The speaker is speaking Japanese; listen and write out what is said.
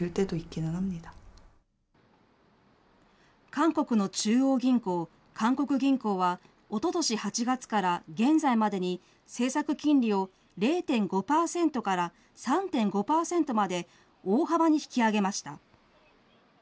韓国の中央銀行、韓国銀行は、おととし８月から現在までに政策金利を０．５％から３．５％まで大幅に引き上げました。